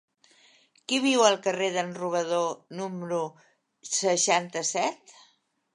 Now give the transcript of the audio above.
Qui viu al carrer d'en Robador número seixanta-set?